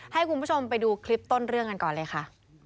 ให้คุณผู้ชมไปดูคลิปต้นเรื่องกันก่อนเลยค่ะ